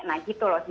nah gitu loh